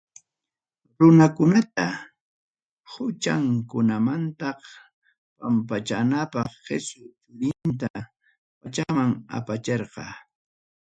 Runakunata huchankunamanta pampachanapaq Jesú churinta, pachaman apachirqa.